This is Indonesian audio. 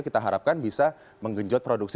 kita harapkan bisa menggenjot produksi